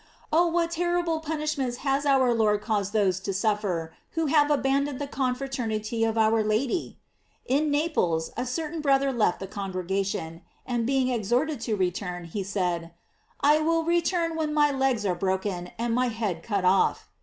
Oh, what terrible punishments has our Lord caused those to suffer who have abandoned the confraternity of our Lady ! In Naples a certain brother left the congregation, and being exhorted to return, he said: I will re turn when my legs are broken and my head cut off.